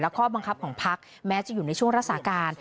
ข้อบังคับของพักแม้จะอยู่ในช่วงรักษาการ